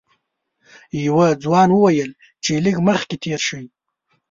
یوه ځوان وویل چې لږ مخکې تېر شئ.